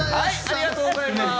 ありがとうございます。